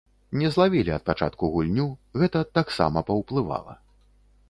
Не злавілі ад пачатку гульню, гэта таксама паўплывала.